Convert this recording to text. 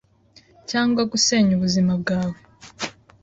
cyangwa gusenya ubuzima bwawe